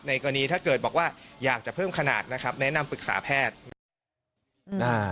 กรณีถ้าเกิดบอกว่าอยากจะเพิ่มขนาดนะครับแนะนำปรึกษาแพทย์นะครับ